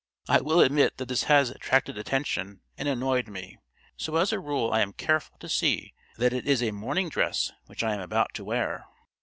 I will admit that this has attracted attention and annoyed me; so as a rule I am careful to see that it is a morning dress which I am about to wear."